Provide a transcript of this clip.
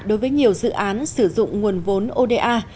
đối với nhiều dự án sử dụng nguồn vốn oda